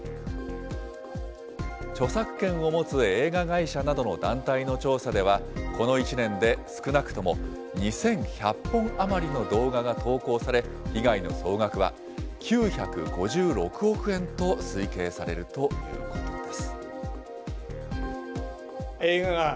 著作権を持つ映画会社などの団体の調査では、この１年で少なくとも２１００本余りの動画が投稿され、被害の総額は９５６億円と推計されるということです。